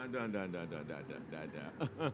tidak tidak tidak